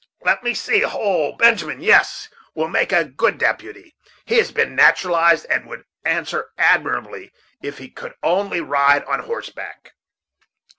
Let me see ho! Benjamin! yes, Benjamin will make a good deputy; he has been naturalized, and would answer admirably if he could only ride on horseback."